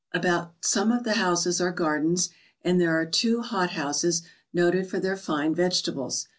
About some of the houses are gardens and there are two hot houses noted for their fine vegetables.